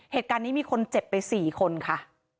เหตุการณ์นี้มีคนเจ็บไป๔คนค่ะ